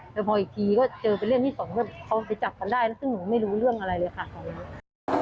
แต่พออีกกี๊ก็เจอเป็นเล่มที่๒เหล่มเขาไปจับกันได้นะซึ่งหนูไม่รู้เรื่องอะไรเลยฝ่าตัวนี้